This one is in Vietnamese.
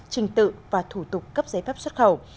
trình tự và thủ tục cấp giấy phép xuất khẩu